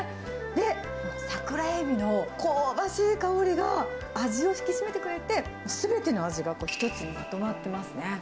で、桜エビの香ばしい香りが味を引き締めてくれて、すべての味が一つにまとまってますね。